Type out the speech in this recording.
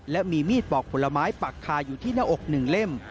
และมีมีดปอกผลไม้ปักคาอยู่ที่หน้าอก๑เล่ม